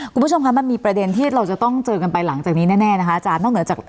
คุณผู้ชมคะมันมีประเด็นที่เราจะต้องเจอกันไปหลังจากนี้แน่นะคะอาจารย์นอกเหนือจาก